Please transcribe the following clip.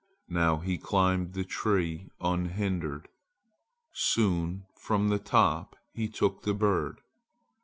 Now he climbed the tree unhindered. Soon from the top he took the bird.